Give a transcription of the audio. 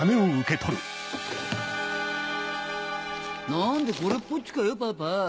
何でぇこれっぽっちかよパパ。